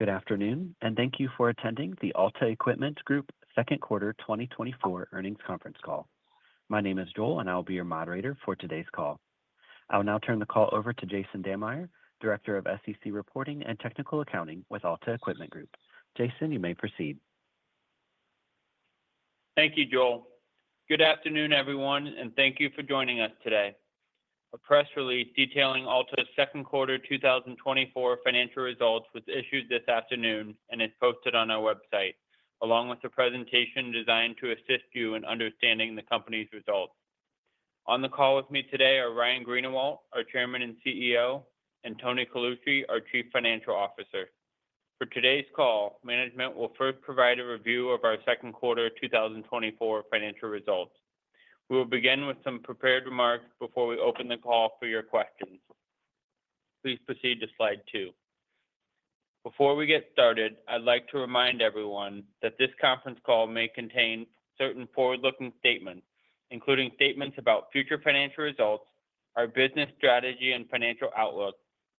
Good afternoon, and thank you for attending the Alta Equipment Group Q2 2024 Earnings Conference Call. My name is Joel, and I will be your moderator for today's call. I will now turn the call over to Jason Dammeyer, Director of SEC Reporting and Technical Accounting with Alta Equipment Group. Jason, you may proceed. Thank you, Joel. Good afternoon, everyone, and thank you for joining us today. A press release detailing Alta's Q2 2024 financial results was issued this afternoon and is posted on our website, along with a presentation designed to assist you in understanding the company's results. On the call with me today are Ryan Greenawalt, our Chairman and CEO, and Tony Colucci, our Chief Financial Officer. For today's call, management will first provide a review of our Q2 2024 financial results. We will begin with some prepared remarks before we open the call for your questions. Please proceed to slide 2. Before we get started, I'd like to remind everyone that this conference call may contain certain forward-looking statements, including statements about future financial results, our business strategy and financial outlook,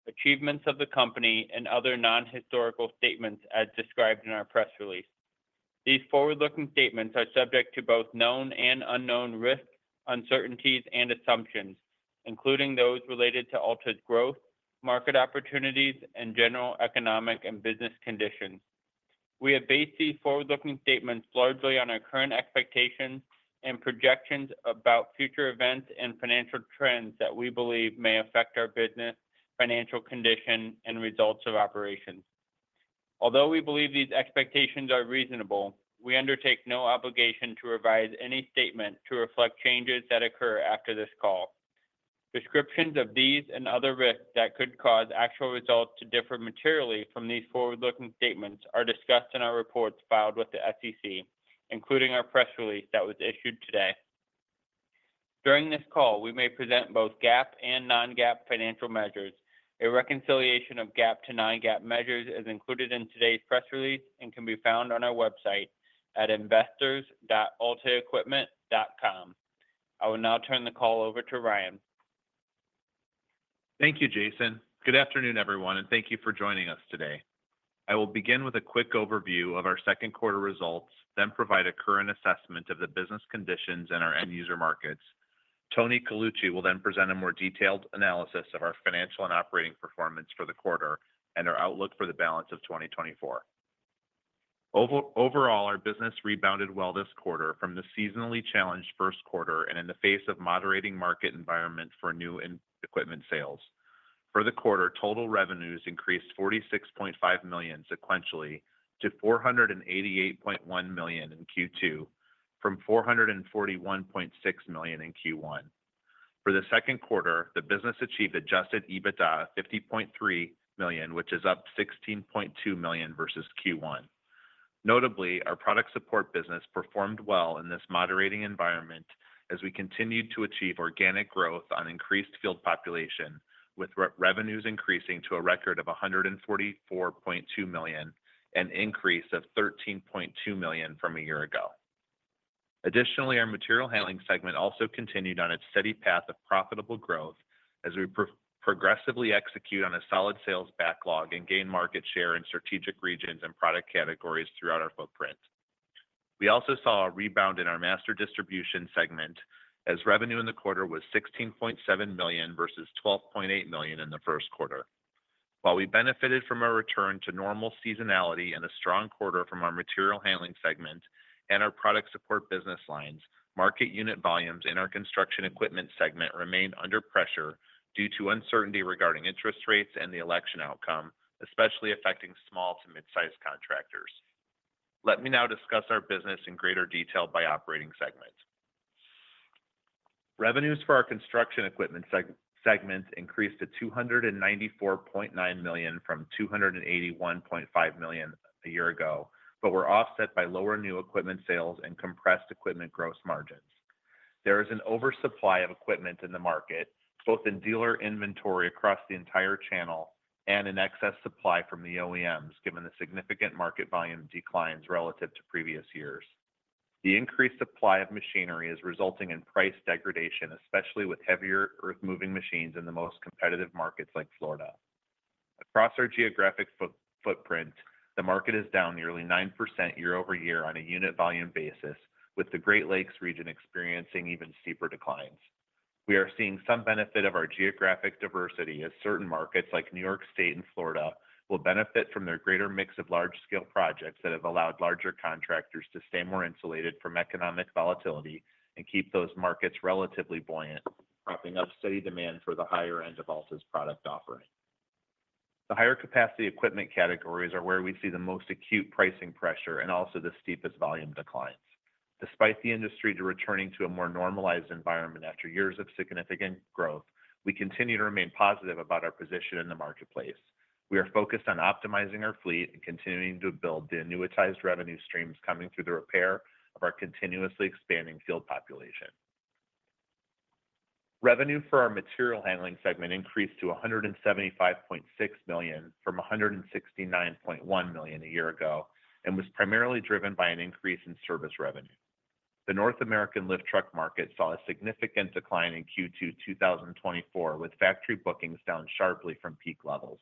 achievements of the company, and other non-historical statements as described in our press release. These forward-looking statements are subject to both known and unknown risks, uncertainties and assumptions, including those related to Alta's growth, market opportunities, and general economic and business conditions. We have based these forward-looking statements largely on our current expectations and projections about future events and financial trends that we believe may affect our business, financial condition, and results of operations. Although we believe these expectations are reasonable, we undertake no obligation to revise any statement to reflect changes that occur after this call. Descriptions of these and other risks that could cause actual results to differ materially from these forward-looking statements are discussed in our reports filed with the SEC, including our press release that was issued today. During this call, we may present both GAAP and non-GAAP financial measures. A reconciliation of GAAP to non-GAAP measures is included in today's press release and can be found on our website at investors.altaequipment.com. I will now turn the call over to Ryan. Thank you, Jason. Good afternoon, everyone, and thank you for joining us today. I will begin with a quick overview of our Q2 results, then provide a current assessment of the business conditions in our end user markets. Tony Colucci will then present a more detailed analysis of our financial and operating performance for the quarter and our outlook for the balance of 2024. Overall, our business rebounded well this quarter from the seasonally challenged Q1 and in the face of moderating market environment for new and equipment sales. For the quarter, total revenues increased $46.5 million sequentially to $488.1 million in Q2, from $441.6 million in Q1. For the Q2, the business achieved adjusted EBITDA $50.3 million, which is up $16.2 million versus Q1. Notably, our product support business performed well in this moderating environment as we continued to achieve organic growth on increased field population, with revenues increasing to a record of $144.2 million, an increase of $13.2 million from a year ago. Additionally, our material handling segment also continued on its steady path of profitable growth as we progressively execute on a solid sales backlog and gain market share in strategic regions and product categories throughout our footprint. We also saw a rebound in our master distribution segment as revenue in the quarter was $16.7 million versus $12.8 million in the Q1. While we benefited from a return to normal seasonality and a strong quarter from our material handling segment and our product support business lines, market unit volumes in our construction equipment segment remained under pressure due to uncertainty regarding interest rates and the election outcome, especially affecting small to mid-sized contractors. Let me now discuss our business in greater detail by operating segment. Revenues for our construction equipment segments increased to $294.9 million from $281.5 million a year ago, but, were offset by lower new equipment sales and compressed equipment gross margins. There is an oversupply of equipment in the market, both in dealer inventory across the entire channel and in excess supply from the OEMs, given the significant market volume declines relative to previous years. The increased supply of machinery is resulting in price degradation, especially with heavier earthmoving machines in the most competitive markets like Florida. Across our geographic footprint, the market is down nearly 9% year-over-year on a unit volume basis, with the Great Lakes region experiencing even steeper declines. We are seeing some benefit of our geographic diversity as certain markets, like New York State and Florida, will benefit from their greater mix of large-scale projects that have allowed larger contractors to stay more insulated from economic volatility and keep those markets relatively buoyant, propping up steady demand for the higher end of Alta's product offering. The higher capacity equipment categories are where we see the most acute pricing pressure and also the steepest volume declines. Despite the industry returning to a more normalized environment after years of significant growth, we continue to remain positive about our position in the marketplace. We are focused on optimizing our fleet and continuing to build the annuitized revenue streams coming through the repair of our continuously expanding field population. Revenue for our material handling segment increased to $175.6 million from $169.1 million a year ago and was primarily driven by an increase in service revenue. The North American lift truck market saw a significant decline in Q2 2024, with factory bookings down sharply from peak levels.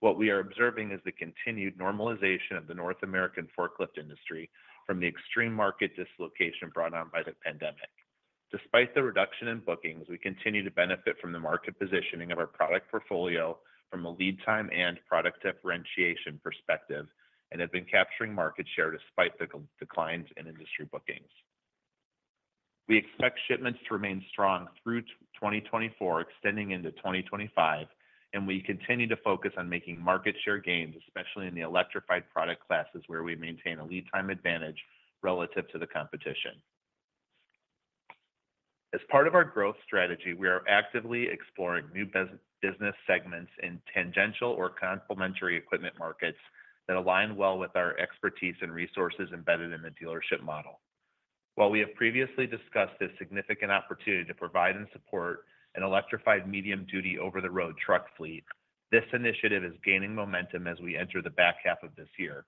What we are observing is the continued normalization of the North American forklift industry from the extreme market dislocation brought on by the pandemic. Despite the reduction in bookings, we continue to benefit from the market positioning of our product portfolio from a lead time and product differentiation perspective, and have been capturing market share despite the declines in industry bookings. We expect shipments to remain strong through 2024, extending into 2025, and we continue to focus on making market share gains, especially in the electrified product classes, where we maintain a lead time advantage relative to the competition. As part of our growth strategy, we are actively exploring new business segments in tangential or complementary equipment markets that align well with our expertise and resources embedded in the dealership model. While we have previously discussed this significant opportunity to provide and support an electrified medium-duty, over-the-road truck fleet, this initiative is gaining momentum as we enter the back half of this year.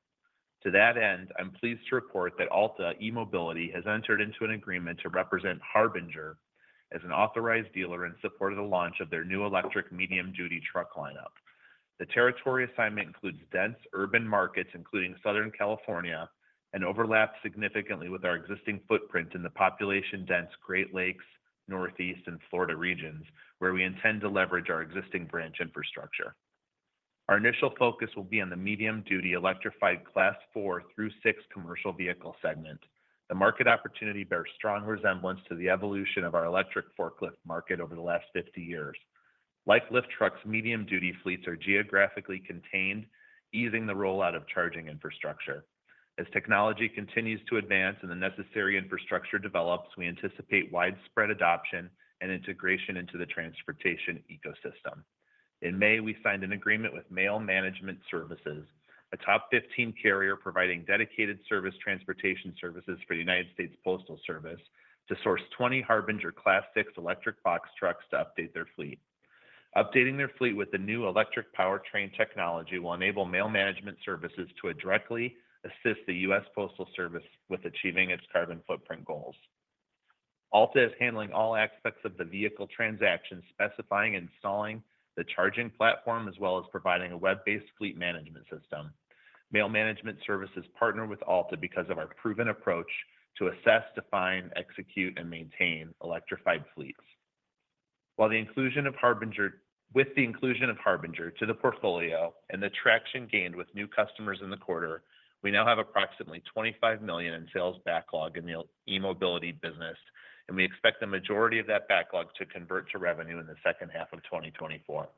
To that end, I'm pleased to report that Alta eMobility has entered into an agreement to represent Harbinger as an authorized dealer in support of the launch of their new electric medium-duty truck lineup. The territory assignment includes dense, urban markets, including Southern California, and overlaps significantly with our existing footprint in the population-dense Great Lakes, Northeast, and Florida regions, where we intend to leverage our existing branch infrastructure. Our initial focus will be on the medium-duty, electrified class 4 through 6 commercial vehicle segment. The market opportunity bears strong resemblance to the evolution of our electric forklift market over the last 50 years. Like lift trucks, medium-duty fleets are geographically contained, easing the rollout of charging infrastructure. As technology continues to advance and the necessary infrastructure develops, we anticipate widespread adoption and integration into the transportation ecosystem. In May, we signed an agreement with Mail Management Services, a top 15 carrier providing dedicated service transportation services for the United States Postal Service, to source 20 Harbinger class 6 electric box trucks to update their fleet. Updating their fleet with the new electric powertrain technology will enable Mail Management Services to directly assist the US Postal Service with achieving its carbon footprint goals. Alta is handling all aspects of the vehicle transaction, specifying, installing the charging platform, as well as providing a web-based fleet management system. Mail Management Services partner with Alta because of our proven approach to assess, define, execute, and maintain electrified fleets. While the inclusion of Harbinger to the portfolio and the traction gained with new customers in the quarter, we now have approximately $25 million in sales backlog in the eMobility business, and we expect the majority of that backlog to convert to revenue in the second half of 2024.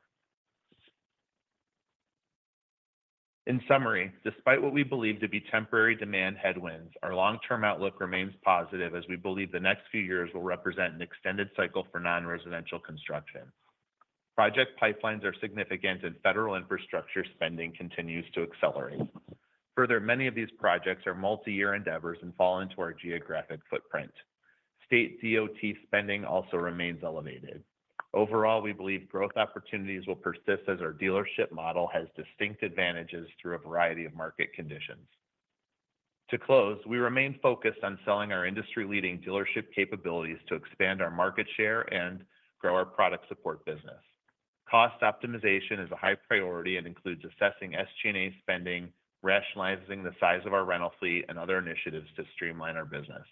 In summary, despite what we believe to be temporary demand headwinds, our long-term outlook remains positive, as we believe the next few years will represent an extended cycle for non-residential construction. Project pipelines are significant, and federal infrastructure spending continues to accelerate. Further, many of these projects are multi-year endeavors and fall into our geographic footprint. State DOT spending also remains elevated. Overall, we believe growth opportunities will persist as our dealership model has distinct advantages through a variety of market conditions. To close, we remain focused on selling our industry-leading dealership capabilities to expand our market share and grow our product support business. Cost optimization is a high priority and includes assessing SG&A spending, rationalizing the size of our rental fleet, and other initiatives to streamline our business.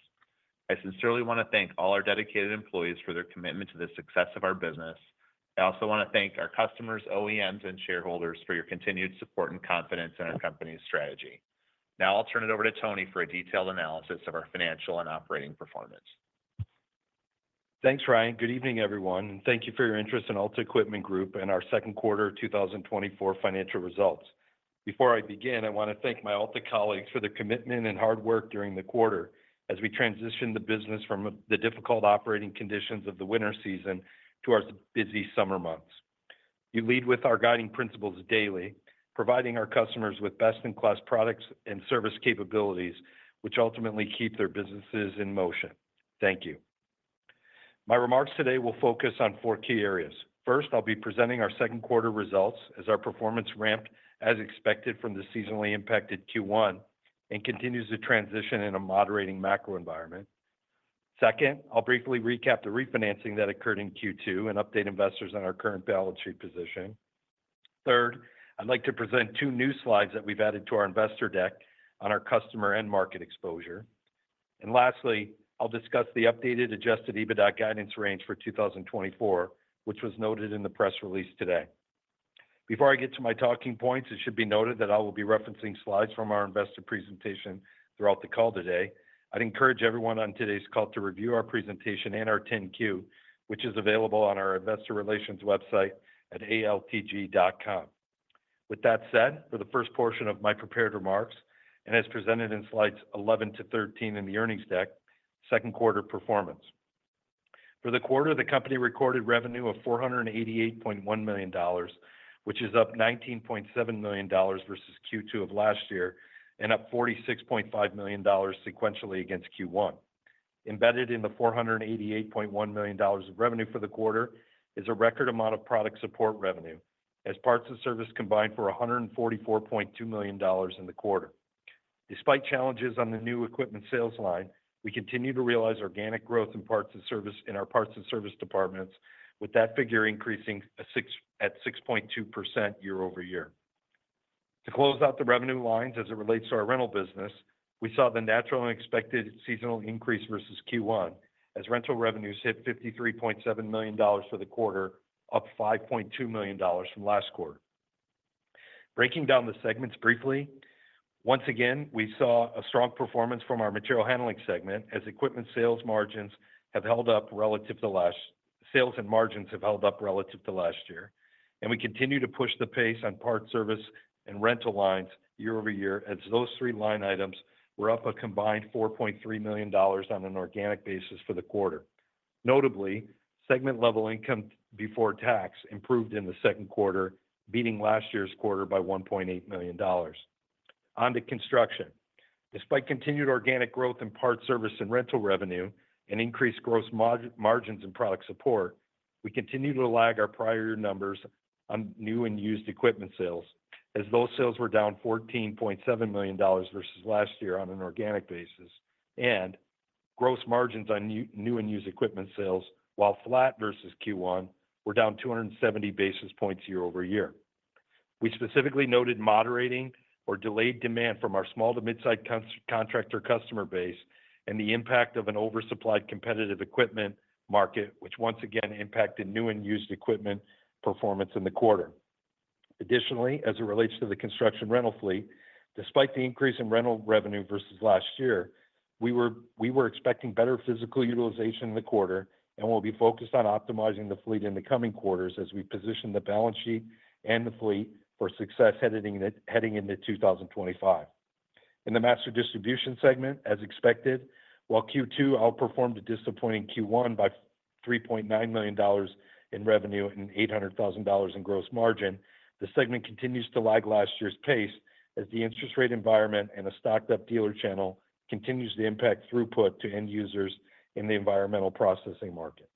I sincerely wanna thank all our dedicated employees for their commitment to the success of our business. I also wanna thank our customers, OEMs, and shareholders for your continued support and confidence in our company's strategy. Now, I'll turn it over to Tony for a detailed analysis of our financial and operating performance. Thanks, Ryan. Good evening, everyone, and thank you for your interest in Alta Equipment Group and Our Q2 2024 Financial Results. Before I begin, I wanna thank my Alta colleagues for their commitment and hard work during the quarter, as we transition the business from the difficult operating conditions of the winter season to our busy summer months. You lead with our guiding principles daily, providing our customers with best-in-class products and service capabilities, which ultimately keep their businesses in motion. Thank you. My remarks today will focus on four key areas. First, I'll be presenting our Q2 results as our performance ramped as expected from the seasonally impacted Q1, and continues to transition in a moderating macro environment. Second, I'll briefly recap the refinancing that occurred in Q2, and update investors on our current balance sheet position. Third, I'd like to present two new slides that we've added to our investor deck on our customer and market exposure. Lastly, I'll discuss the updated Adjusted EBITDA guidance range for 2024, which was noted in the press release today. Before I get to my talking points, it should be noted that I will be referencing slides from our investor presentation throughout the call today. I'd encourage everyone on today's call to review our presentation and our 10-Q, which is available on our investor relations website at altg.com. With that said, for the first portion of my prepared remarks, and as presented in slides 11-13 in the earnings deck, Q2 performance. For the quarter, the company recorded revenue of $488.1 million, which is up $19.7 million versus Q2 of last year, and up $46.5 million sequentially against Q1. Embedded in the $488.1 million of revenue for the quarter is a record amount of product support revenue, as parts and service combined for $144.2 million in the quarter. Despite challenges on the new equipment sales line, we continue to realize organic growth in our parts and service departments, with that figure increasing at 6.2% year-over-year. To close out the revenue lines as it relates to our rental business, we saw the natural and expected seasonal increase versus Q1, as rental revenues hit $53.7 million for the quarter, up $5.2 million from last quarter. Breaking down the segments briefly, once again, we saw a strong performance from our material handling segment, as equipment sales margins have held up relative to last year, and we continue to push the pace on parts, service, and rental lines year-over-year, as those three line items were up a combined $4.3 million on an organic basis for the quarter. Notably, segment-level income before tax improved in the Q2, beating last year's quarter by $1.8 million. On to construction. Despite continued organic growth in parts, service, and rental revenue, and increased gross margins in product support, we continue to lag our prior numbers on new and used equipment sales, as those sales were down $14.7 million versus last year on an organic basis, and gross margins on new and used equipment sales, while flat versus Q1, were down 270 basis points year-over-year. We specifically noted moderating or delayed demand from our small to mid-size contractor customer base and the impact of an oversupplied competitive equipment market, which once again impacted new and used equipment performance in the quarter. Additionally, as it relates to the construction rental fleet, despite the increase in rental revenue versus last year, we were expecting better physical utilization in the quarter and will be focused on optimizing the fleet in the coming quarters as we position the balance sheet and the fleet for success heading into 2025. In the master distribution segment, as expected, while Q2 outperformed a disappointing Q1 by $3.9 million in revenue and $800,000 in gross margin, the segment continues to lag last year's pace as the interest rate environment and a stocked-up dealer channel continues to impact throughput to end users in the environmental processing markets.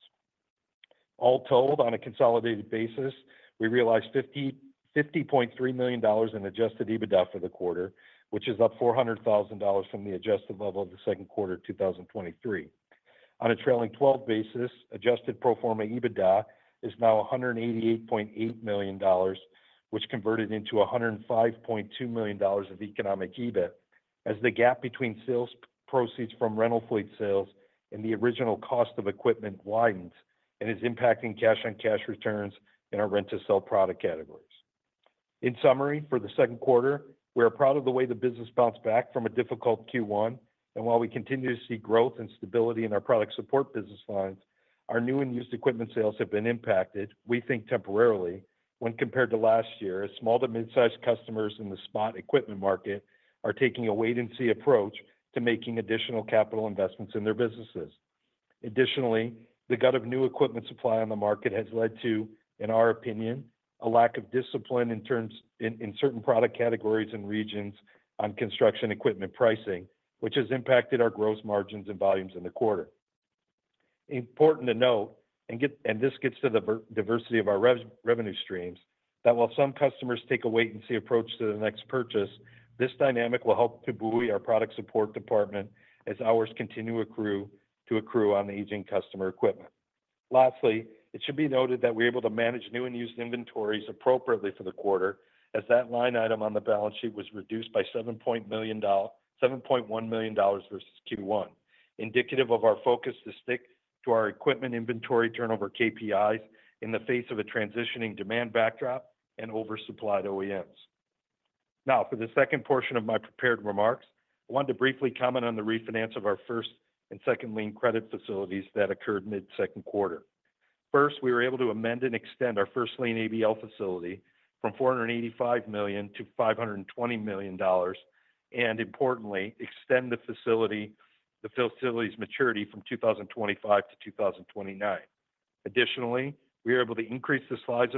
All told, on a consolidated basis, we realized $50.3 million in adjusted EBITDA for the quarter, which is up $400,000 from the adjusted level of the Q2 of 2023. On a trailing twelve basis, adjusted pro forma EBITDA is now $188.8 million, which converted into $105.2 million of economic EBIT, as the gap between sales proceeds from rental fleet sales and the original cost of equipment widens and is impacting cash-on-cash returns in our rent-to-sell product categories. In summary, for the Q2, we are proud of the way the business bounced back from a difficult Q1. And while we continue to see growth and stability in our product support business lines, our new and used equipment sales have been impacted, we think temporarily, when compared to last year, as small to mid-sized customers in the spot equipment market are taking a wait-and-see approach to making additional capital investments in their businesses. Additionally, the glut of new equipment supply on the market has led to, in our opinion, a lack of discipline in terms of certain product categories and regions on construction equipment pricing, which has impacted our gross margins and volumes in the quarter. Important to note, and this gets to the very diversity of our revenue streams, that while some customers take a wait-and-see approach to the next purchase, this dynamic will help to buoy our product support department as hours continue to accrue on aging customer equipment. Lastly, it should be noted that we're able to manage new and used inventories appropriately for the quarter, as that line item on the balance sheet was reduced by $7.1 million versus Q1, indicative of our focus to stick to our equipment inventory turnover KPIs in the face of a transitioning demand backdrop and oversupplied OEMs. Now, for the second portion of my prepared remarks, I wanted to briefly comment on the refinance of our first and second lien credit facilities that occurred mid-Q2. First, we were able to amend and extend our first lien ABL facility from $485-520 million, and importantly, extend the facility, the facility's maturity from 2025-2029. Additionally, we are able to increase the size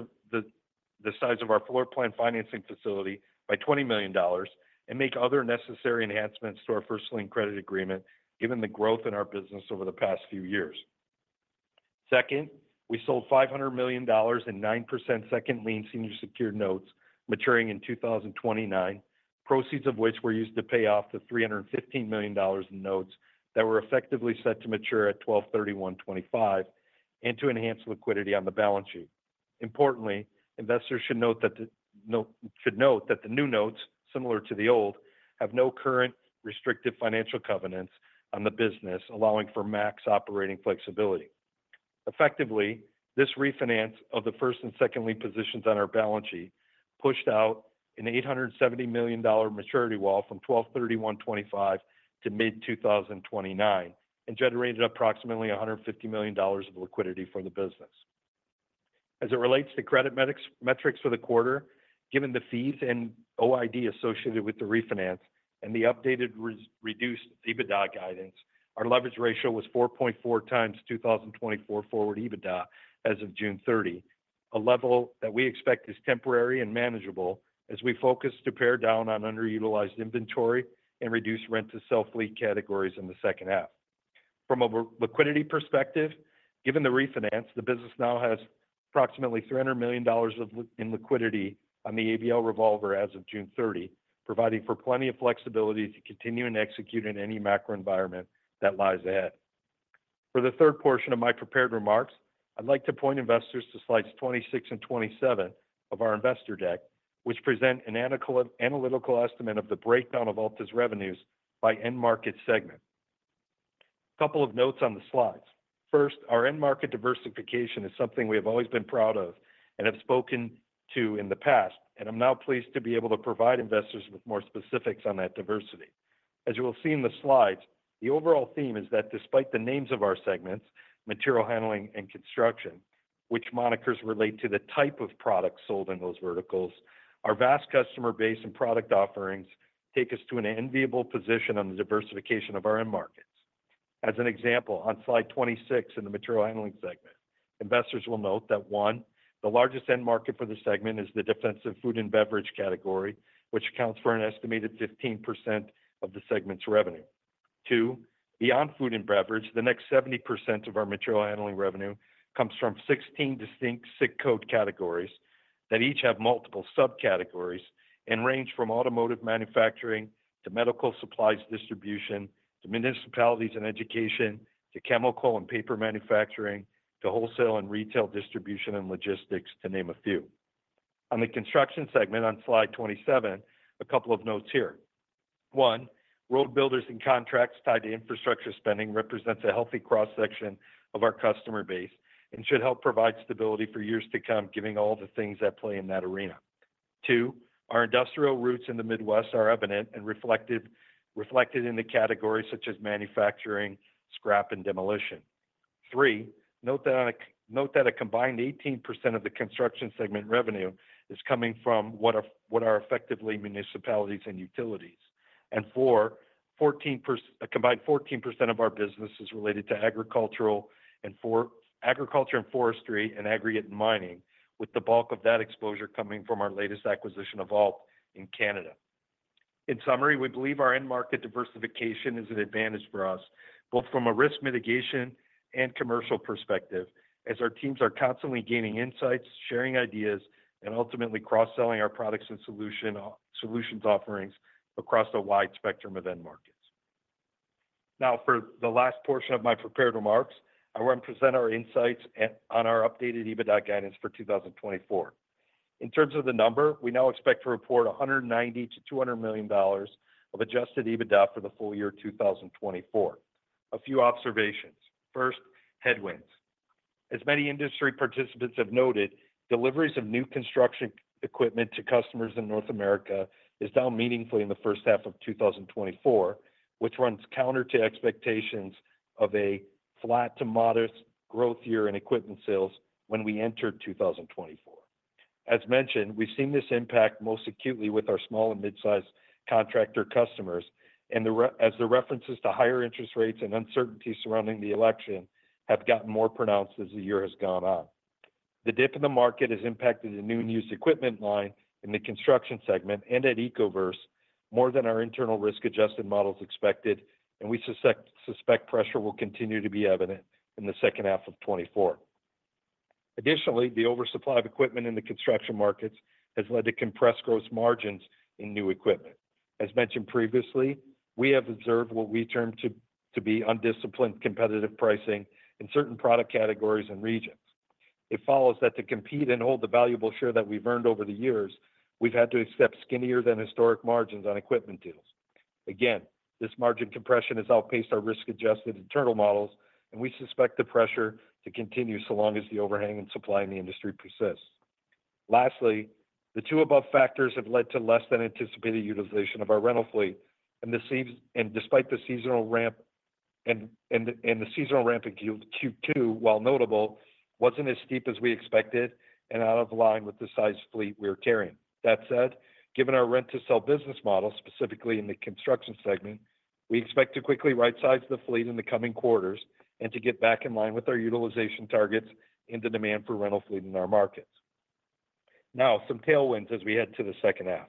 of our floor plan financing facility by $20 million and make other necessary enhancements to our first lien credit agreement, given the growth in our business over the past few years. Second, we sold $500 million in 9% second lien senior secured notes maturing in 2029, proceeds of which were used to pay off the $315 million in notes that were effectively set to mature at 12/31/2025, and to enhance liquidity on the balance sheet. Importantly, investors should note that the new notes, similar to the old, have no current restrictive financial covenants on the business, allowing for max operating flexibility. Effectively, this refinance of the first and second lien positions on our balance sheet pushed out an $870 million maturity wall from 12/31/2025 to mid-2029 and generated approximately $150 million of liquidity for the business. As it relates to credit metrics for the quarter, given the fees and OID associated with the refinance and the updated reduced EBITDA guidance, our leverage ratio was 4.4x 2024 forward EBITDA as of June 30. A level that we expect is temporary and manageable as we focus to pare down on underutilized inventory and reduce rent-to-sell fleet categories in the second half. From a liquidity perspective, given the refinance, the business now has approximately $300 million in liquidity on the ABL revolver as of June 30, providing for plenty of flexibility to continue and execute in any macro environment that lies ahead. For the third portion of my prepared remarks, I'd like to point investors to slides 26 and 27 of our investor deck, which present an analytical estimate of the breakdown of Alta's revenues by end market segment. Couple of notes on the slides. First, our end market diversification is something we have always been proud of and have spoken to in the past, and I'm now pleased to be able to provide investors with more specifics on that diversity. As you will see in the slides, the overall theme is that despite the names of our segments, material handling and construction, which monikers relate to the type of products sold in those verticals, our vast customer base and product offerings take us to an enviable position on the diversification of our end markets. As an example, on slide 26 in the material handling segment, investors will note that, 1, the largest end market for the segment is the defensive food and beverage category, which accounts for an estimated 15% of the segment's revenue. Two, beyond food and beverage, the next 70% of our material handling revenue comes from 16 distinct SIC code categories that each have multiple subcategories and range from automotive manufacturing to medical supplies distribution, to municipalities and education, to chemical and paper manufacturing, to wholesale and retail distribution and logistics, to name a few. On the construction segment on slide 27, a couple of notes here. One, road builders and contracts tied to infrastructure spending represents a healthy cross-section of our customer base and should help provide stability for years to come, giving all the things at play in that arena. Two, our industrial roots in the Midwest are evident and reflected, reflected in the categories such as manufacturing, scrap, and demolition. Three, note that a combined 18% of the construction segment revenue is coming from what are, what are effectively municipalities and utilities. Four, 14%—a combined 14% of our business is related to agriculture and forestry and aggregate and mining, with the bulk of that exposure coming from our latest acquisition of Ault in Canada. In summary, we believe our end market diversification is an advantage for us, both from a risk mitigation and commercial perspective, as our teams are constantly gaining insights, sharing ideas, and ultimately cross-selling our products and solutions offerings across a wide spectrum of end markets. Now, for the last portion of my prepared remarks, I want to present our insights on our updated EBITDA guidance for 2024. In terms of the number, we now expect to report $190-200 million of Adjusted EBITDA for the full year 2024. A few observations: first, headwinds. As many industry participants have noted, deliveries of new construction equipment to customers in North America is down meaningfully in the first half of 2024, which runs counter to expectations of a flat to modest growth year in equipment sales when we entered 2024. As mentioned, we've seen this impact most acutely with our small and mid-sized contractor customers, and as the references to higher interest rates and uncertainty surrounding the election have gotten more pronounced as the year has gone on. The dip in the market has impacted the new and used equipment line in the construction segment and at Ecoverse more than our internal risk-adjusted models expected, and we suspect pressure will continue to be evident in the second half of 2024. Additionally, the oversupply of equipment in the construction markets has led to compressed gross margins in new equipment. As mentioned previously, we have observed what we term to be undisciplined, competitive pricing in certain product categories and regions. It follows that to compete and hold the valuable share that we've earned over the years, we've had to accept skinnier than historic margins on equipment deals. Again, this margin compression has outpaced our risk-adjusted internal models, and we suspect the pressure to continue so long as the overhang and supply in the industry persists. Lastly, the two above factors have led to less than anticipated utilization of our rental fleet, and this seems and despite the seasonal ramp in Q2, while notable, wasn't as steep as we expected and out of line with the size fleet we're carrying that said, given our rent-to-sell business model, specifically in the construction segment, we expect to quickly rightsize the fleet in the coming quarters and to get back in line with our utilization targets and the demand for rental fleet in our markets. Now, some tailwinds as we head to the second half.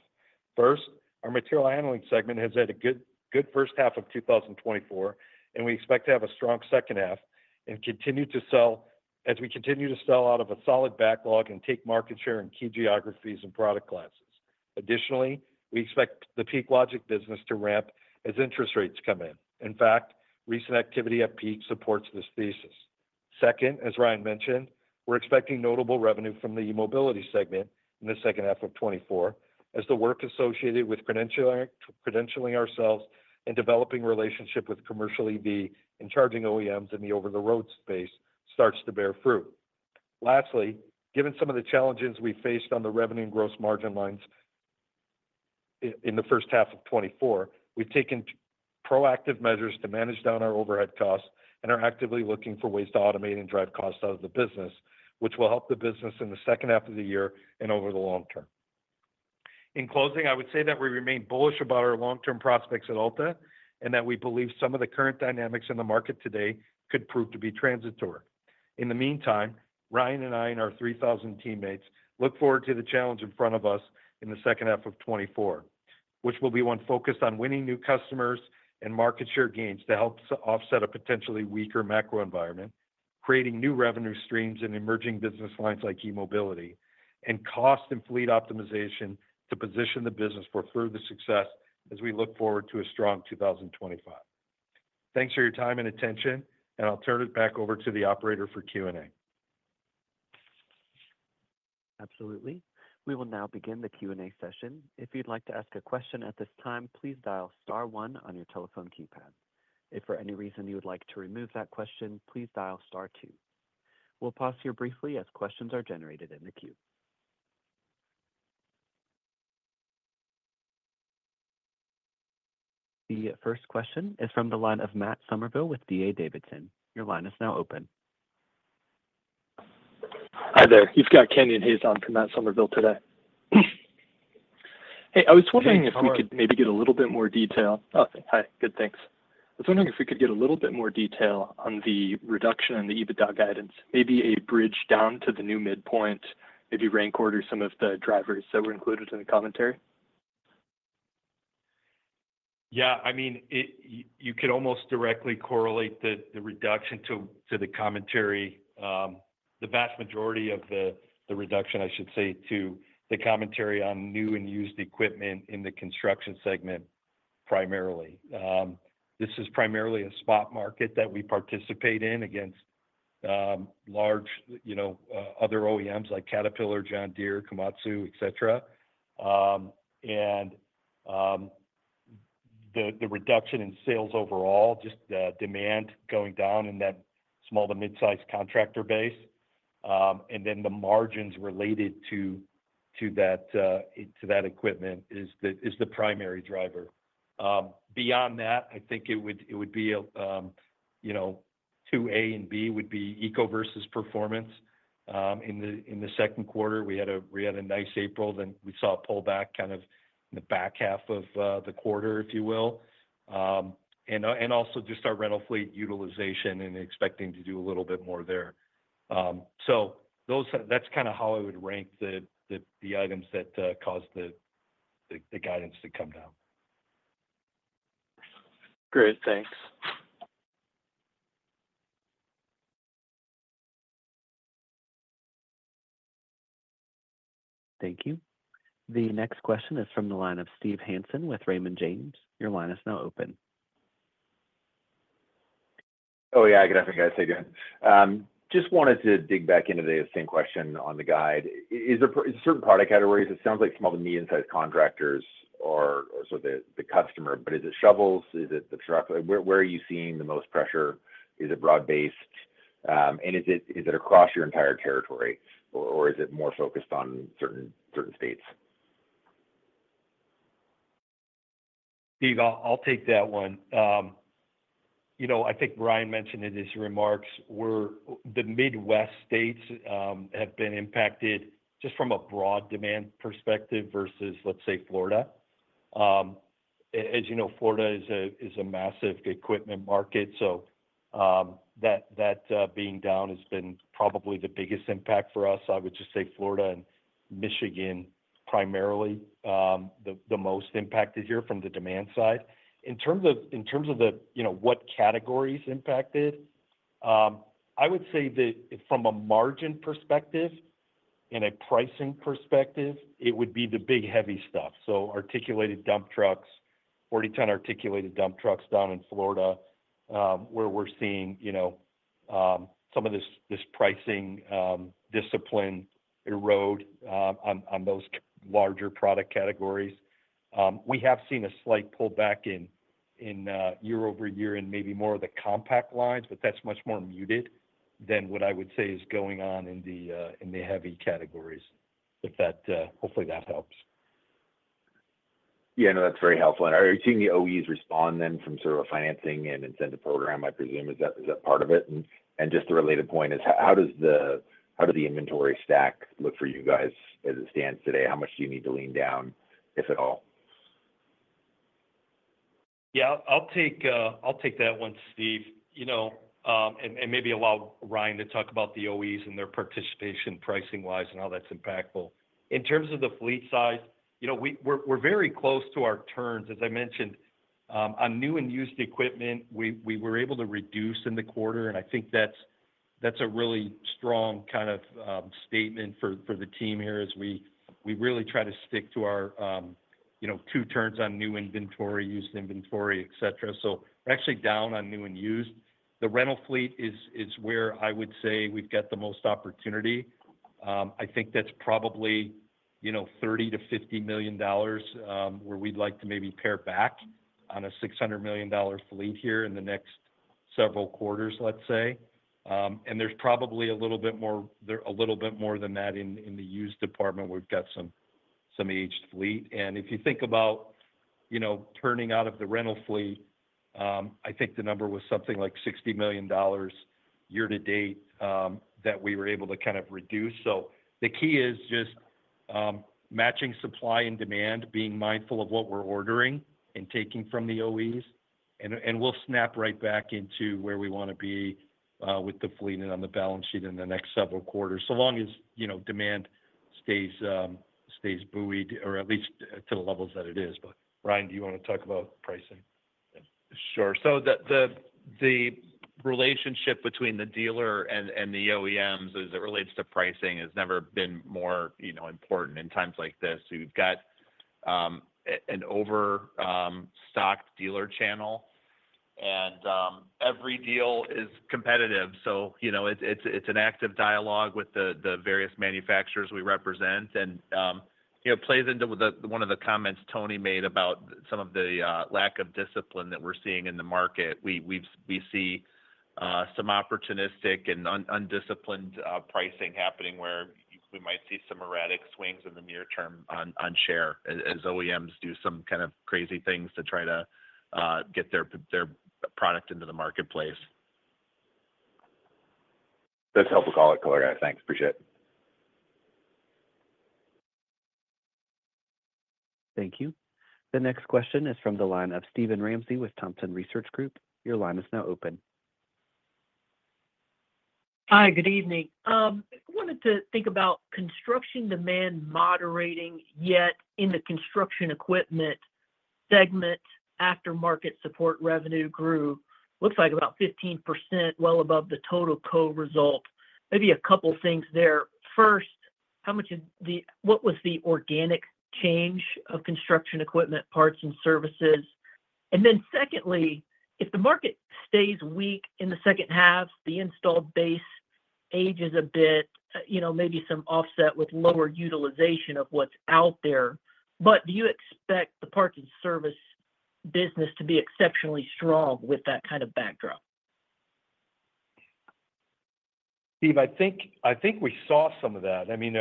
First, our material handling segment has had a good, good first half of 2024, and we expect to have a strong second half and continue to sell, as we continue to sell out of a solid backlog and take market share in key geographies and product classes. Additionally, we expect the Peak Logix business to ramp as interest rates come in. In fact, recent activity at Peak Logix supports this thesis. Second, as Ryan mentioned, we're expecting notable revenue from the mobility segment in the second half of 2024, as the work associated with credentialing, credentialing ourselves and developing relationship with commercial EV and charging OEMs in the over-the-road space starts to bear fruit. Lastly, given some of the challenges we faced on the revenue and gross margin lines in the first half of 2024, we've taken proactive measures to manage down our overhead costs and are actively looking for ways to automate and drive costs out of the business, which will help the business in the second half of the year and over the long term. In closing, I would say that we remain bullish about our long-term prospects at Alta, and that we believe some of the current dynamics in the market today could prove to be transitory. In the meantime, Ryan and I and our 3,000 teammates look forward to the challenge in front of us in the second half of 2024. Which will be one focused on winning new customers and market share gains to help offset a potentially weaker macro environment, creating new revenue streams in emerging business lines like e-mobility, and cost and fleet optimization to position the business for further success as we look forward to a strong 2025. Thanks for your time and attention, and I'll turn it back over to the operator for Q&A. Absolutely. We will now begin the Q&A session. If you'd like to ask a question at this time, please dial star one on your telephone keypad. If for any reason you would like to remove that question, please dial star two. We'll pause here briefly as questions are generated in the queue. The first question is from the line of Matt Somerville with D.A. Davidson. Your line is now open. Hi there. You've got Kenyon Hayes on from Matt Somerville today. Hey, I was wondering- Hey, Somerville If we could maybe get a little bit more detail. Oh, hi. Good, thanks. I was wondering if we could get a little bit more detail on the reduction in the EBITDA guidance, maybe a bridge down to the new midpoint, maybe rank order some of the drivers that were included in the commentary. Yeah, I mean, it, you could almost directly correlate the reduction to the commentary. The vast majority of the reduction, I should say, to the commentary on new and used equipment in the construction segment, primarily. This is primarily a spot market that we participate in against large, you know, other OEMs like Caterpillar, John Deere, Komatsu, et cetera. And the reduction in sales overall, just the demand going down in that small to mid-size contractor base, and then the margins related to that equipment is the primary driver. Beyond that, I think it would be, you know, to A and B would be Ecoverse's performance. In the Q2, we had a nice April, then we saw a pullback kind of in the back half of the quarter, if you will. And also just our rental fleet utilization and expecting to do a little bit more there. So, those are that's kinda how I would rank the items that caused the guidance to come down. Great. Thanks. Thank you. The next question is from the line of Steve Hanson with Raymond James. Your line is now open. Oh, yeah. Good afternoon, guys. Hey, again. Just wanted to dig back into the same question on the guide. Is there certain product categories, it sounds like small to medium-sized contractors are also the customer, but is it shovels? Is it the truck? Where are you seeing the most pressure? Is it broad-based? And is it across your entire territory, or is it more focused on certain states? Steve, I'll take that one. You know, I think Brian mentioned in his remarks, we're, the Midwest states have been impacted just from a broad demand perspective versus, let's say, Florida. As you know, Florida is a massive equipment market so, that being down has been probably the biggest impact for us i would just say Florida and Michigan, primarily, the most impacted here from the demand side. In terms of, you know, what categories impacted, I would say that from a margin perspective and a pricing perspective, it would be the big, heavy stuff so, articulated dump trucks, 40-ton articulated dump trucks down in Florida, where we're seeing, you know, some of this pricing discipline erode on those larger product categories. We have seen a slight pullback in year over year in maybe more of the compact lines, but that's much more muted than what I would say is going on in the heavy categories. But that, hopefully that helps. Yeah, no, that's very helpful and are you seeing the OEMs respond then, from sort of a financing and incentive program, I presume, is that, is that part of it? And, and just a related point is how, how does the, how did the inventory stack look for you guys as it stands today? How much do you need to lean down, if at all? Yeah, I'll take, I'll take that one, Steve. You know, and, and maybe allow Ryan to talk about the OEMs and their participation pricing-wise and how that's impactful. In terms of the fleet size, you know, we're, we're very close to our turns as I mentioned, on new and used equipment, we, we were able to reduce in the quarter, and I think that's, that's a really strong kind of, statement for, for the team here as we, we really try to stick to our, you know, two turns on new inventory, used inventory, et cetera so, we're actually down on new and used. The rental fleet is, is where I would say we've got the most opportunity. I think that's probably, you know, $30-50 million, where we'd like to maybe pare back on a $600 million fleet here in the next several quarters, let's say. And there's probably a little bit more than that in the used department we've got some aged fleet. And if you think about, you know, turning out of the rental fleet, I think the number was something like $60 million year to date that we were able to kind of reduc so, the key is just matching supply and demand, being mindful of what we're ordering and taking from the OEMs. We'll snap right back into where we wanna be with the fleet and on the balance sheet in the next several quarters, so long as, you know, demand stays buoyed, or at least to the levels that it is but, Ryan, do you wanna talk about pricing? Sure. So, the relationship between the dealer and the OEMs as it relates to pricing has never been more, you know, important in times like this we've got an overstocked dealer channel, and every deal is competitive. So, you know, it's an active dialogue with the various manufacturers we represent. And it plays into one of the comments Tony made about some of the lack of discipline that we're seeing in the market we see some opportunistic and undisciplined pricing happening, where we might see some erratic swings in the near term on share, as OEMs do some kind of crazy things to try to get their product into the marketplace. That's helpful color, guys. Thanks, appreciate it. Thank you. The next question is from the line of Steven Ramsey with Thompson Research Group. Your line is now open. Hi, good evening. I wanted to think about construction demand moderating, yet in the construction equipment segment, aftermarket support revenue grew, looks like about 15%, well above the total co result. Maybe a couple things there. First, how much is what was the organic change of construction equipment, parts, and services? And then secondly, if the market stays weak in the second half, the installed base ages a bit, you know, maybe some offset with lower utilization of what's out there, but do you expect the parts and service business to be exceptionally strong with that kind of backdrop? Steve, I think we saw some of that. I mean,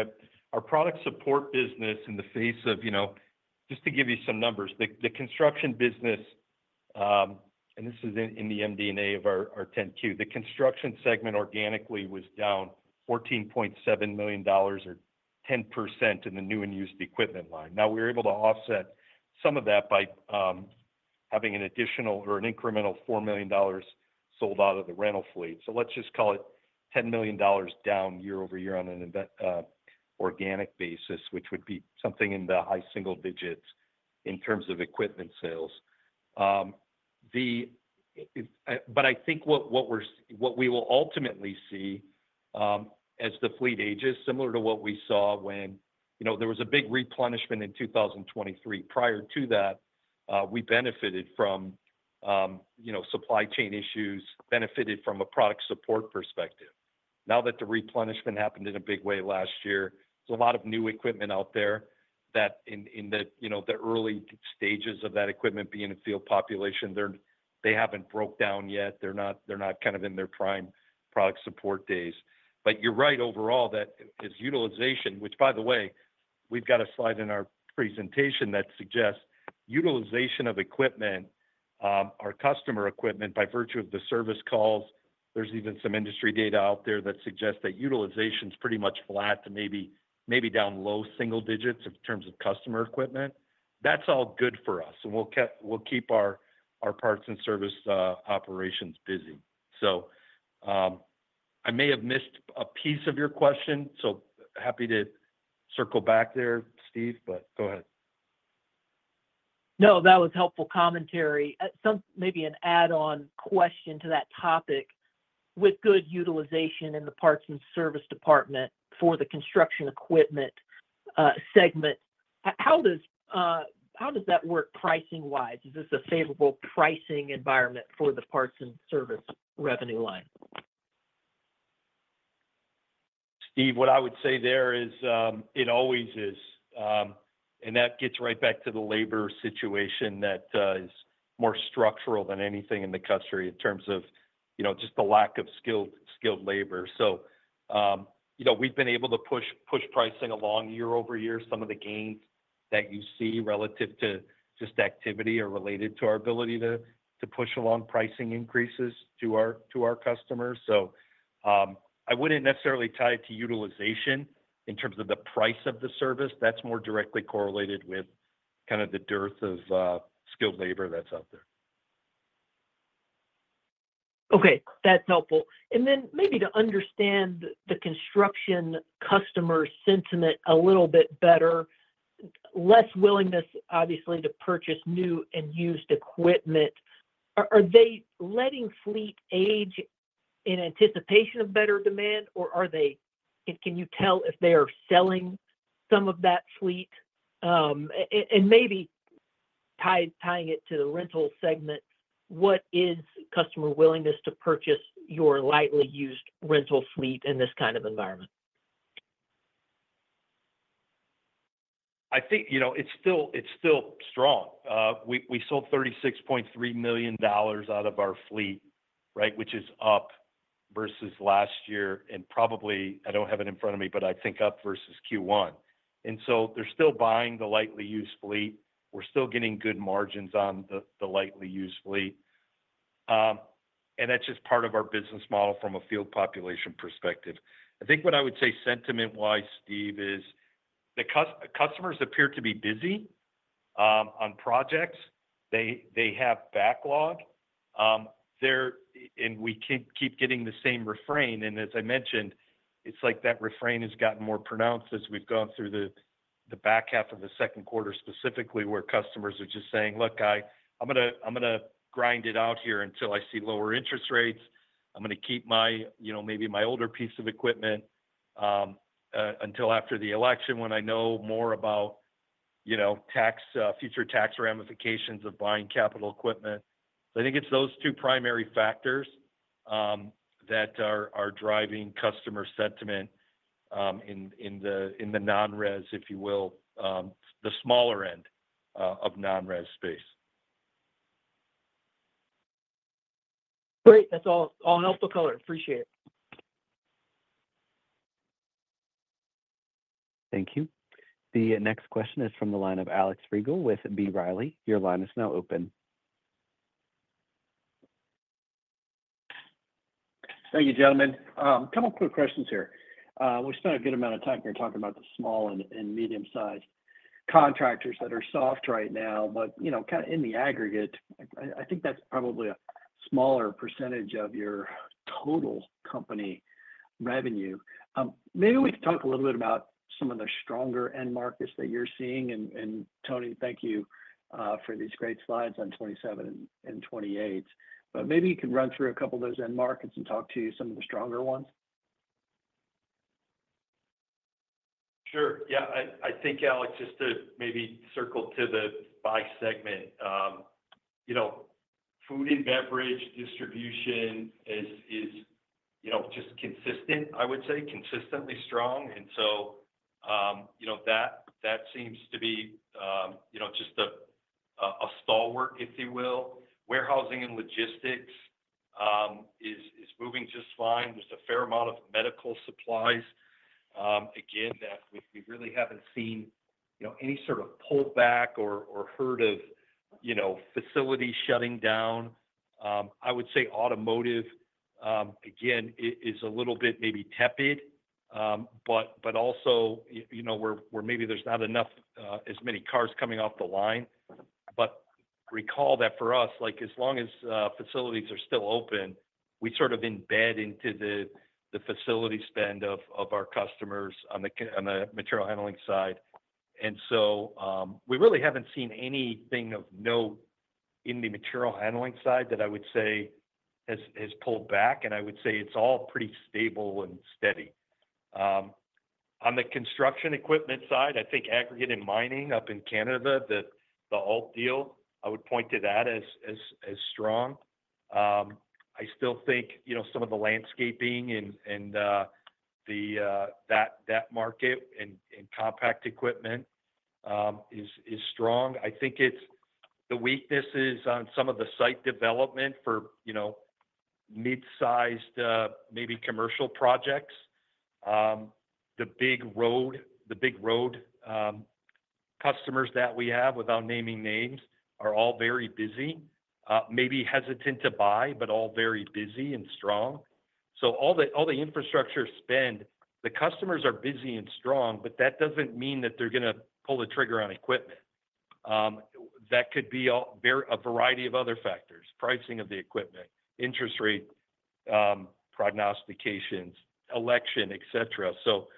our product support business in the face of, you know. Just to give you some numbers, the construction business, and this is in the MD&A of our 10-Q the construction segment organically was down $14.7 million, or 10% in the new and used equipment line. Now, we were able to offset some of that by having an additional or an incremental $4 million sold out of the rental fleet so, let's just call it $10 million down year-over-year on an organic basis, which would be something in the high single digits in terms of equipment sales. But I think what we will ultimately see, as the fleet ages, similar to what we saw when, you know, there was a big replenishment in 2023 Prior to that, we benefited from, you know, supply chain issues, benefited from a product support perspective. Now that the replenishment happened in a big way last year, there's a lot of new equipment out there that in the early stages of that equipment being a field population, they haven't broke down yet they're not kind of in their prime product support days. But you're right, overall, that as utilization, which by the way, we've got a slide in our presentation that suggests utilization of equipment, our customer equipment, by virtue of the service calls, there's even some industry data out there that suggests that utilization's pretty much flat to maybe, maybe down low single digits in terms of customer equipment. That's all good for us, and we'll keep our, our parts and service operations busy. So, I may have missed a piece of your question, so happy to circle back there, Steve, but go ahead. No, that was helpful commentary. Maybe an add-on question to that topic. With good utilization in the parts and service department for the construction equipment segment, how does that work pricing-wise? Is this a favorable pricing environment for the parts and service revenue line? Steve, what I would say there is, it always is. That gets right back to the labor situation that is more structural than anything in the country in terms of, you know, just the lack of skilled labor. So, you know, we've been able to push pricing along year-over-year some of the gains that you see relative to just activity are related to our ability to push along pricing increases to our customers. So, I wouldn't necessarily tie it to utilization in terms of the price of the service that's more directly correlated with kind of the dearth of skilled labor that's out there. Okay, that's helpful. And then maybe to understand the construction customer sentiment a little bit better, less willingness, obviously, to purchase new and used equipment. Are they letting fleet age in anticipation of better demand, or are they and can you tell if they are selling some of that fleet? And maybe tying it to the rental segment, what is customer willingness to purchase your lightly used rental fleet in this kind of environment? I think, you know, it's still strong. We sold $36.3 million out of our fleet, right, which is up versus last year, and probably, I don't have it in front of me, but I think up versus Q1. And so they're still buying the lightly used fleet. We're still getting good margins on the lightly used fleet, And that's just part of our business model from a field population perspective. I think what I would say sentiment-wise, Steve, is the customers appear to be busy? on projects. They have backlog. And we keep getting the same refrain, and as I mentioned, it's like that refrain has gotten more pronounced as we've gone through the back half of the Q2, specifically, where customers are just saying, "Look, I'm gonna grind it out here until I see lower interest rates. I'm gonna keep my, you know, maybe my older piece of equipment until after the election, when I know more about, you know, tax future tax ramifications of buying capital equipment." So, I think it's those two primary factors that are driving customer sentiment in the non-res, if you will, the smaller end of non-res space. Great. That's all helpful color. Appreciate it. Thank you. The next question is from the line of Alex Riegel with B. Riley. Your line is now open. Thank you, gentlemen. A couple of quick questions here. We've spent a good amount of time here talking about the small and medium-sized contractors that are soft right now, but you know, kinda in the aggregate, I think that's probably a smaller percentage of your total company revenue. Maybe we can talk a little bit about some of the stronger end markets that you're seeing. And Tony, thank you for these great slides on 27 and 28. But, maybe you can run through a couple of those end markets and talk to some of the stronger ones. Sure. Yeah, I think, Alex, just to maybe circle to the by segment, you know, food and beverage distribution is, you know, just consistent, I would say, consistently strong and so, you know, that seems to be, you know, just a stalwart, if you will. Warehousing and logistics is moving just fine there's a fair amount of medical supplies, again, that we really haven't seen, you know, any sort of pullback or heard of, you know, facilities shutting down. I would say automotive, again, is a little bit maybe tepid, but also, you know, where maybe there's not enough as many cars coming off the line. But recall that for us, like, as long as facilities are still open, we sort of embed into the facility spend of our customers on the material handling side. And so, we really haven't seen anything of note in the material handling side that I would say has pulled back, and I would say it's all pretty stable and steady. On the construction equipment side, I think aggregate and mining up in Canada, the Alta deal, I would point to that as strong. I still think, you know, some of the landscaping and that market and compact equipment is strong i think it's the weaknesses on some of the site development for, you know, mid-sized, maybe commercial projects. The big road customers that we have, without naming names, are all very busy. Maybe hesitant to buy, but all very busy and strong. So, all the infrastructure spend, the customers are busy and strong, but that doesn't mean that they're gonna pull the trigger on equipment. That could be a variety of other factors: pricing of the equipment, interest rate, prognostications, election, et cetera. So,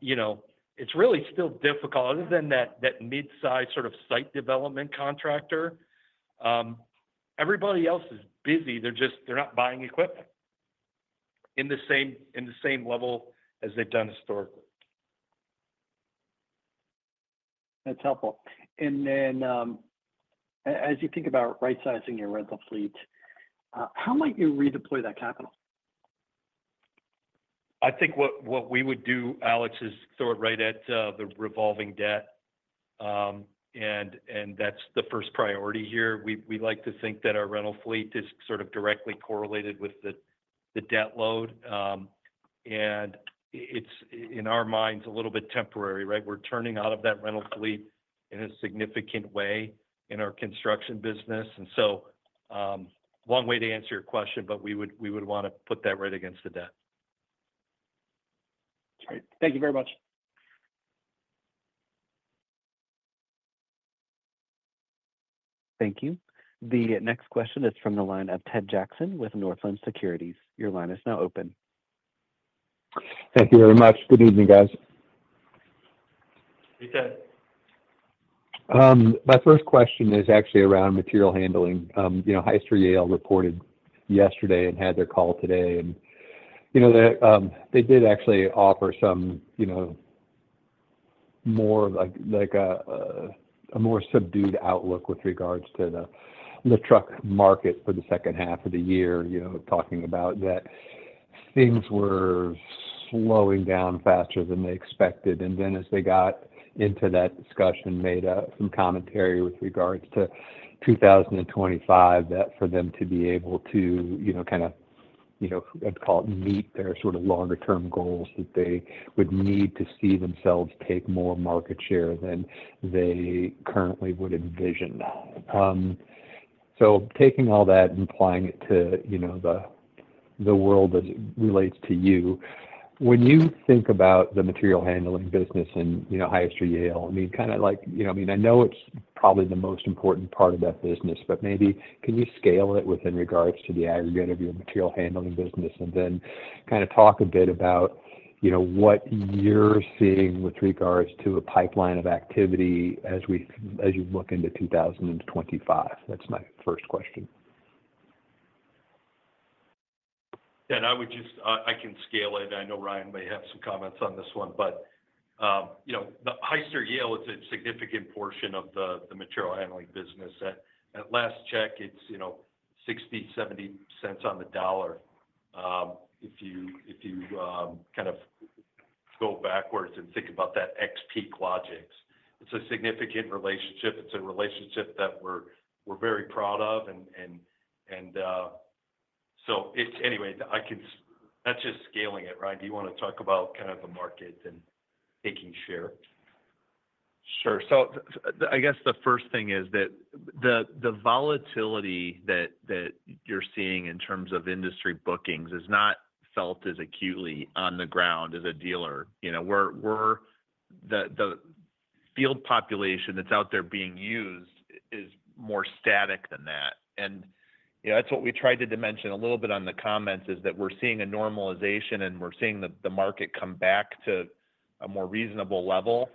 you know, it's really still difficult other than that, that mid-size sort of site development contractor, everybody else is busy, they're just not buying equipment in the same level as they've done historically. That's helpful. And then, as you think about right-sizing your rental fleet, how might you redeploy that capital? I think what we would do, Alex, is throw it right at the revolving debt. And that's the first priority here we like to think that our rental fleet is sort of directly correlated with the debt load. And it's in our minds a little bit temporary, right? We're turning out of that rental fleet in a significant way in our construction business and so, one way to answer your question, but we would wanna put that right against the debt. Great. Thank you very much. Thank you. The next question is from the line of Ted Jackson with Northland Securities. Your line is now open. Thank you very much. Good evening, guys. Hey, Ted. My first question is actually around material handling. You know, Hyster-Yale reported yesterday and had their call today, and, you know, they did actually offer some, you know, more like a more subdued outlook with regards to the truck market for the second half of the year you know, talking about that- -things were slowing down faster than they expected, and then as they got into that discussion, made some commentary with regards to 2025, that for them to be able to, you know, kinda, you know, I'd call it, meet their sort of longer term goals, that they would need to see themselves take more market share than they currently would envision. So, taking all that and applying it to, you know, the world as it relates to you, when you think about the material handling business and, you know, Hyster-Yale, I mean, kind of like, you know, I mean, I know it's probably the most important part of that business but maybe, can you scale it within regards to the aggregate of your material handling business? And then kind of talk a bit about, you know, what you're seeing with regards to a pipeline of activity as you look into 2025. that's my first question. Yeah, and I would just I can scale it i know Ryan may have some comments on this one, but, you know, the Hyster-Yale is a significant portion of the material handling business. At last check it's, you know, 60-70 cents on the dollar. If you kind of go backwards and think about that ex Peak Logix, it's a significant relationship, it's a relationship that we're very proud of and... So, it's anyway, I can that's just scaling it. Ryan, do you want to talk about kind of the market and taking share? Sure. So, I guess the first thing is that the volatility that you're seeing in terms of industry bookings is not felt as acutely on the ground as a dealer. You know, we're the field population that's out there being used is more static than that. And, you know, that's what we tried to dimension a little bit on the comments, is that we're seeing a normalization, and we're seeing the market come back to a more reasonable level.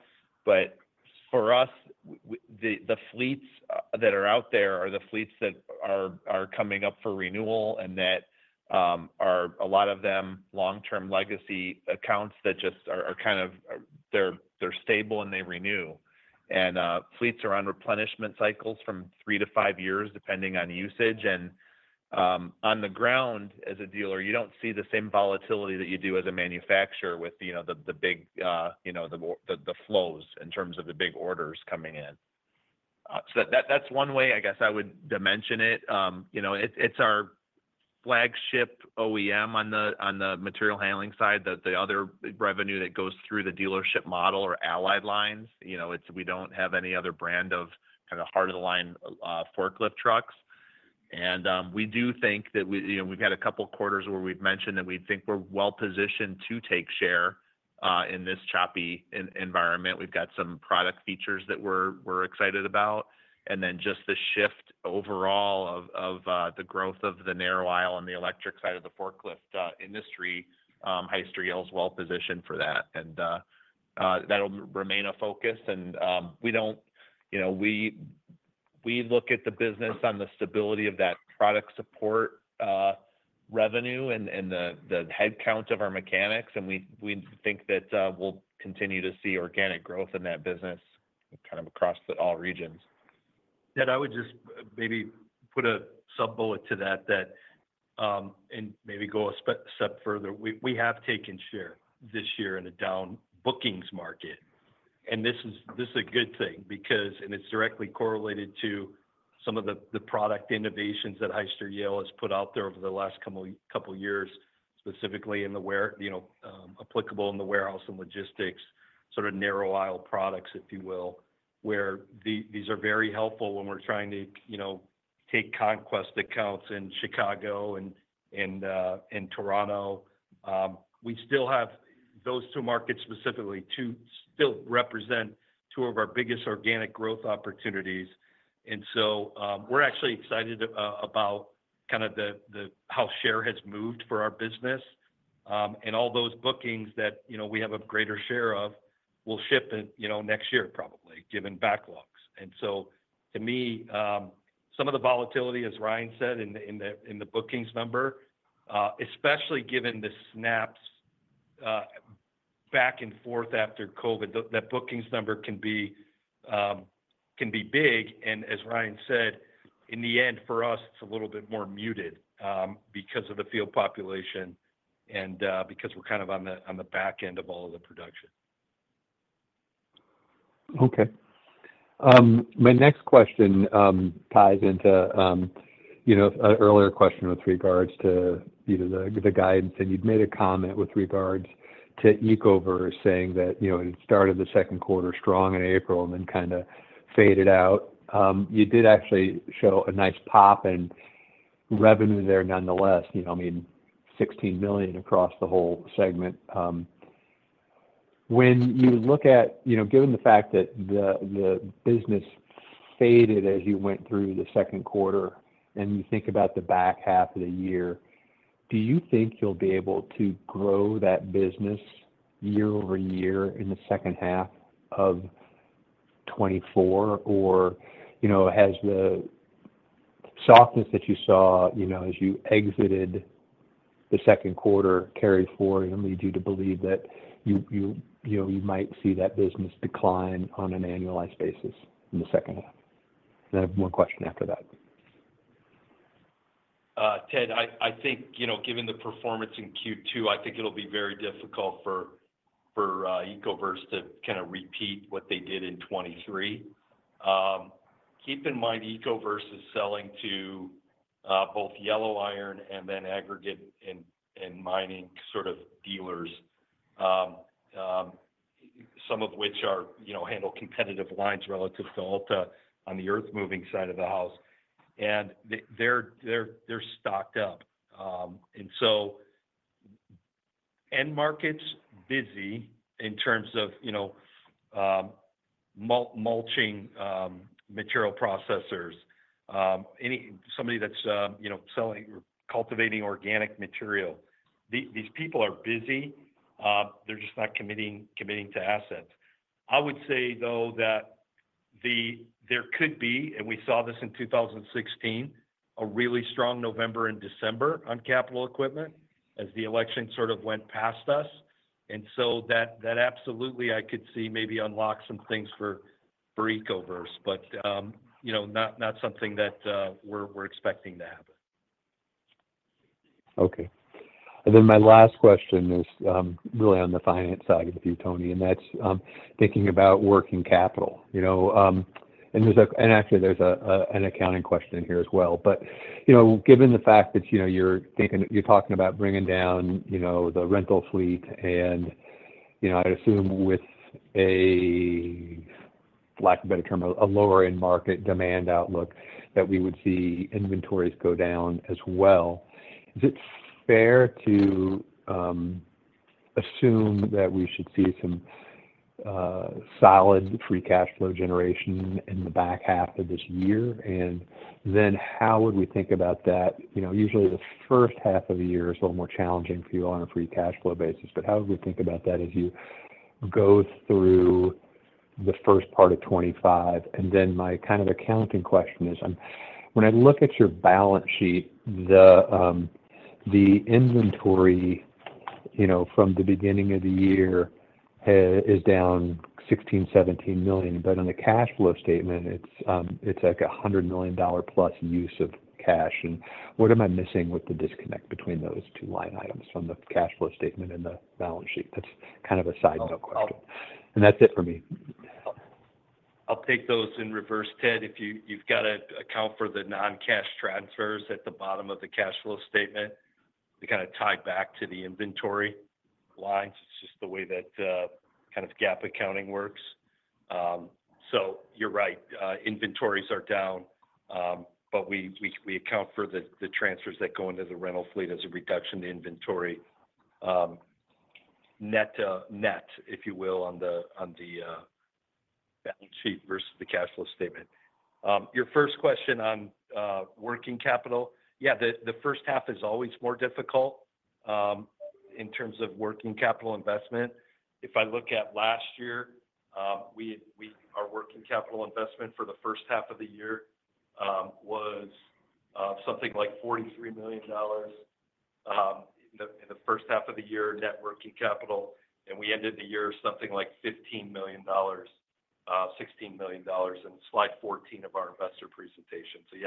But, for us the fleets that are out there are the fleets that are coming up for renewal, and that are a lot of them long-term legacy accounts that just are kind of they're stable, and they renew. And fleets are on replenishment cycles from three to five years, depending on usage. On the ground, as a dealer, you don't see the same volatility that you do as a manufacturer with, you know, the big, you know, the more the flows in terms of the big orders coming in. So, that, that's one way, I guess, I would dimension it. You know, it's our flagship OEM on the material handling side, that the other revenue that goes through the dealership model or allied lines. You know, it's we don't have any other brand of kind of heart-of-the-line forklift trucks. We do think that we you know, we've had a couple quarters where we've mentioned that we think we're well positioned to take share in this choppy environment we've got some product features that we're excited about, and then just the shift overall of the growth of the narrow aisle and the electric side of the forklift industry. Hyster-Yale is well positioned for that. And that'll remain a focus. And we don't—you know, we look at the business on the stability of that product support revenue, and the head count of our mechanics, and we think that we'll continue to see organic growth in that business, kind of across all the regions. Yeah, I would just maybe put a sub-bullet to that, and maybe go a step further we have taken share this year in a down bookings market, and this is a good thing because and it's directly correlated to some of the product innovations that Hyster-Yale has put out there over the last couple years. Specifically in the you know applicable in the warehouse and logistics, sort of narrow aisle products, if you will, where these are very helpful when we're trying to you know take conquest accounts in Chicago and in Toronto. We still have those two markets specifically to still represent two of our biggest organic growth opportunities. And so, we're actually excited about kind of the how share has moved for our business. And all those bookings that, you know, we have a greater share of, will ship in, you know, next year, probably, given backlogs. And so, to me, some of the volatility, as Ryan said, in the bookings number. Especially given the snaps back and forth after COVID, that bookings number can be big. And as Ryan said, in the end, for us, it's a little bit more muted, because of the field population and, because we're kind of on the back end of all of the production. Okay. My next question ties into, you know, an earlier question with regards to, you know, the, the guidance, and you'd made a comment with regards to Ecoverse, saying that, you know, it started the Q2 strong in April and then kind of faded out. You did actually show a nice pop in revenue there nonetheless, you know, I mean, $16 million across the whole segment. When you look at, you know, given the fact that the, the business faded as you went through the Q2 and you think about the back half of the year, do you think you'll be able to grow that business year-over-year in the second half of 2024? Or, you know, has the softness that you saw, you know, as you exited the Q2, carried forward and lead you to believe that you know, you might see that business decline on an annualized basis in the second half? And I have one question after that. Ted, I think, you know, given the performance in Q2, I think it'll be very difficult for Ecoverse to kind of repeat what they did in 2023. Keep in mind, Ecoverse is selling to both yellow iron and then aggregate and mining sort of dealers. Some of which are, you know, handle competitive lines relative to Alta on the earthmoving side of the house. And they're stocked up. And so, end markets busy in terms of, you know, mulching, material processors, somebody that's, you know, selling or cultivating organic material. These people are busy, they're just not committing to assets. I would say, though, that there could be, and we saw this in 2016, a really strong November and December on capital equipment as the election sort of went past us. And so that, that absolutely I could see maybe unlock some things for, for Ecoverse, but, you know, not, not something that, we're, we're expecting to happen. Okay. And then my last question is really on the finance side of the view, Tony, and that's thinking about working capital. You know, and actually, there's an accounting question in here as well but, you know, given the fact that, you know, you're talking about bringing down the rental fleet and, you know, I'd assume with a lack of a better term, a lower-end market demand outlook, that we would see inventories go down as well. Is it fair to assume that we should see some solid free cash flow generation in the back half of this year? And then how would we think about that? You know, usually the first half of the year is a little more challenging for you on a free cash flow basis, but how would we think about that as you go through the first part of 2025? And then my kind of accounting question is, when I look at your balance sheet, the inventory, you know, from the beginning of the year, is down $16-17 million, but on the cash flow statement, it's like a $100 million plus use of cash and what am I missing with the disconnect between those two line items from the cash flow statement and the balance sheet? That's kind of a side note question. I'll- That's it for me. I'll take those in reverse, Ted. If you've got to account for the non-cash transfers at the bottom of the cash flow statement, they kinda tie back to the inventory lines it's just the way that kind of GAAP accounting works. So you're right, inventories are down, but, we account for the transfers that go into the rental fleet as a reduction in inventory. Net, if you will, on the balance sheet versus the cash flow statement. Your first question on working capital. Yeah The first half is always more difficult in terms of working capital investment. If I look at last year, our working capital investment for the first half of the year was something like $43 million in the first half of the year, net working capital, and we ended the year something like $15 million, $16 million in slide 14 of our investor presentation so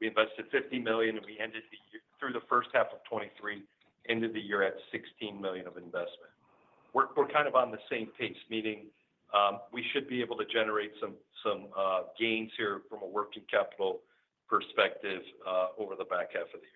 yeah, we invested $50 million, and we ended the year through the first half of 2023, ended the year at $16 million of investment. We're kind of on the same pace, meaning we should be able to generate some gains here from a working capital perspective over the back half of the year.